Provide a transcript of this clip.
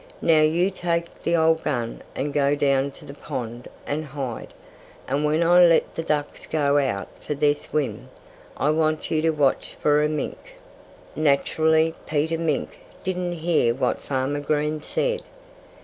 Now, you take the old gun and go down to the pond and hide. And when I let the ducks go out for their swim, I want you to watch for a mink." Naturally, Peter Mink didn't hear what Farmer Green said.